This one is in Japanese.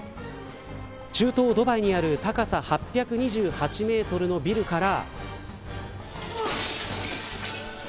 中東ドバイにある高さ８２８メートルのビルから。